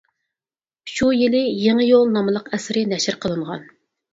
شۇ يىلى «يېڭى يول» ناملىق ئەسىرى نەشر قىلىنغان.